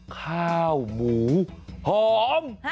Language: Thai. ข้าวหมูหอม